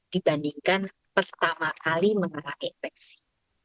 dibandingkan pertama kali mengerah infeksi